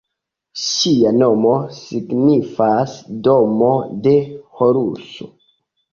Ŝia nomo signifas "Domo de Horuso".